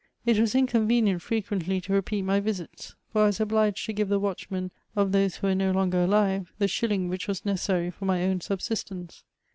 It was inconvenient firequently to re peat my visits, for I was obliged to give the watdbmen of ihose who were no longer alive, the shilling which vras necessary for my own subsistence.